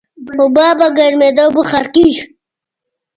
اوبه په ګرمېدو بخار کېږي.